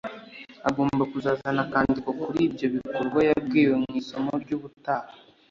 agomba kuzazana akandiko kuri ibyo bikorwa yabwiwe mu isomo ry'ubutaha